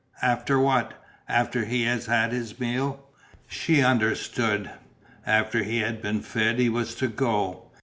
"After what?" "After he has had his meal?" She understood. After he had been fed he was to go.